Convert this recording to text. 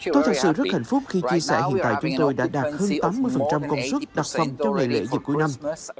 tôi thật sự rất hạnh phúc khi chia sẻ hiện tại chúng tôi đã đạt hơn tám mươi công suất đặt phòng cho ngày lễ dịp cuối năm